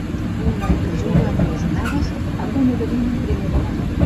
Un noi que juga amb les onades, amb una gavina en primer pla.